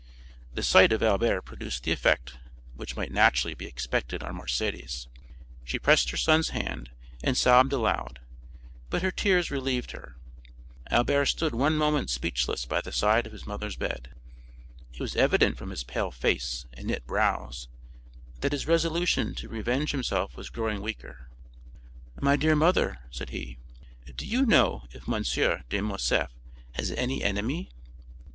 The sight of Albert produced the effect which might naturally be expected on Mercédès; she pressed her son's hand and sobbed aloud, but her tears relieved her. Albert stood one moment speechless by the side of his mother's bed. It was evident from his pale face and knit brows that his resolution to revenge himself was growing weaker. "My dear mother," said he, "do you know if M. de Morcerf has any enemy?"